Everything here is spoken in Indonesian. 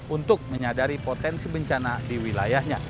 untuk menyadari potensi bencana di wilayahnya